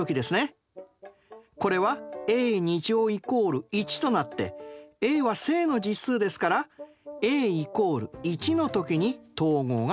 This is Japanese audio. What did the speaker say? これはａ＝１となってａは正の実数ですからａ＝１の時に等号が成立します。